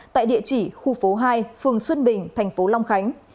tại địa chỉ khu phố hai phường xuân bình tp long khánh